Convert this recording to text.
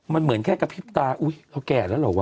มันเหมือนแค่กระพริบตาอุ๊ยเขาแก่แล้วเหรอวะ